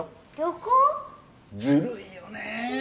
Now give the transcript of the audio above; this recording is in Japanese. ずるいよね。